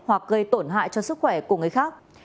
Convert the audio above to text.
hoặc gây tổn hại cho sức khỏe của người khác